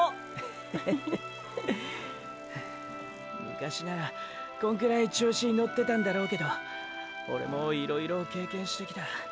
昔ならこんくらい調子のってたんだろうけどオレもいろいろ経験してきた。